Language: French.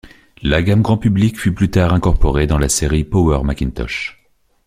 La gamme grand public fut plus tard incorporée dans la série Power Macintosh.